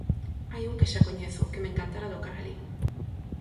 Hai un que xa coñezo, que me encantara tocar alí.